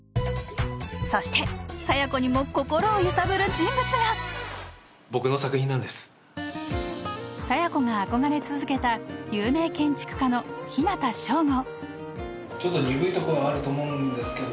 そして佐弥子にも心を揺さぶる人物が僕の作品なんです佐弥子が憧れ続けた有名建築家の日向祥吾